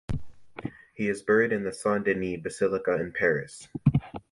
He is buried in the Saint Denis Basilica in Paris.